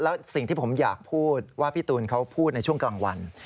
แล้วสิ่งที่ผมอยากพูดว่าพี่ตูนเขาพูดในช่วงกลางวัน